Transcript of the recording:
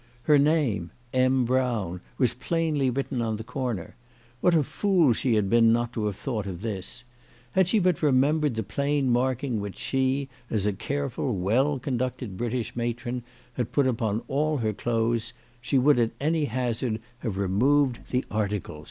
Her name, " M. Brown," was plainly written on the corner. What a fool she had been not to have thought of this ! Had she but remembered the plain marking which she, as a careful, well conducted British matron, had put upon all her clothes, she would at an^ hazard have recovered the article.